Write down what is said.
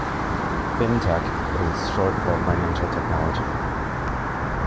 Fintech is short for Financial Technology.